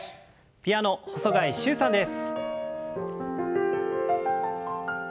ピアノ細貝柊さんです。